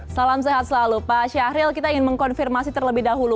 salam sehat selalu pak syahril kita ingin mengkonfirmasi terlebih dahulu